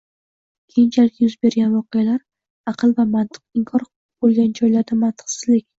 Keyinchalik yuz bergan voqealar aql va mantiq inkor bo‘lgan joyda mantiqsizlik